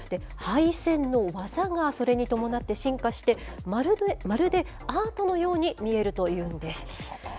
配線の技がそれに伴って進化して、まるでアートのように見えるというんです。